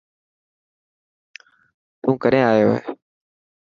تون ڪڏين آيو هي.